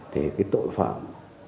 thế cái tội phạm